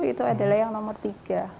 itu adalah yang nomor tiga